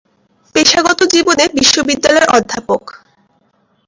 পেশাগত জীবনে বিশ্ববিদ্যালয়ের অধ্যাপক।